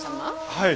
はい。